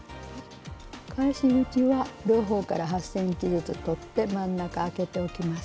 返し口は両方から８ｃｍずつ取って真ん中あけておきます。